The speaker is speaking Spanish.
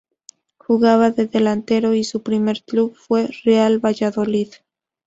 Jugaba de delantero y su primer club fue Real Valladolid.